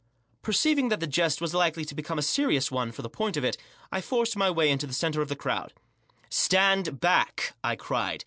P^roeiving that the jest wag likely to become a serious one for the point of it, J forced my way into the centre of the crowi " Stand back 1 99 1 cried.